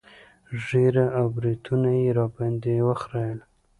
ږيره او برېتونه يې راباندې وخرييل.